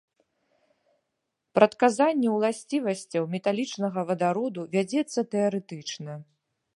Прадказанне уласцівасцяў металічнага вадароду вядзецца тэарэтычна.